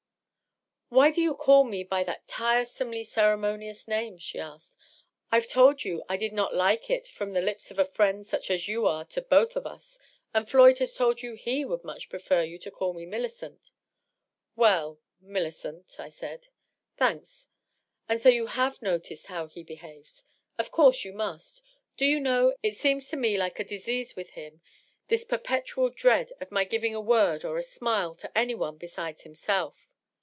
" Why do you call me by that tire somely ceremonious name?' she asked. " Pve told you I did not like it from the lips of a friend such as you are to both of us, and Floyd has told you he would much prefer you to call me Millicent." "Well, .. Millicent," I said. " Thanks. .. And so you have noticed how he behaves ? Of course you must. Do you know, it seems to me like a disease with him, this perpetual dread of my giving a word or a smile to any one besides him self?